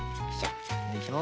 よいしょ。